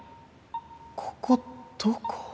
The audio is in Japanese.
ここどこ？